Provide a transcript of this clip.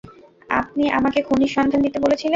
আপনি আমাকে খুনির সন্ধান দিতে বলেছিলেন।